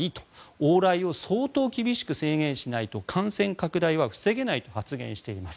往来を相当厳しく制限しないと感染拡大は防げないと発言しています。